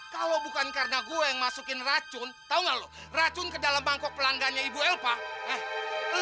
kalau bukan karena gue yang masukin racun tahu nggak loh racun ke dalam bangkok pelanggannya ibu elpa eh